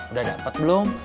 udah dapet belum